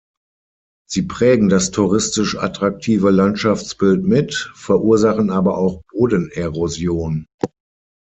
Sie prägen das touristisch attraktive Landschaftsbild mit, verursachen aber auch Bodenerosion.